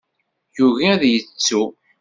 Yugi ad k-yettu.